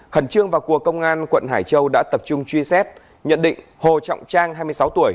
khẩn trương vào cuộc công an quận hải châu đã tập trung truy xét nhận định hồ trọng trang hai mươi sáu tuổi